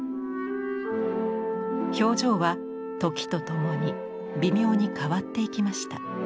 表情は時とともに微妙に変わっていきました。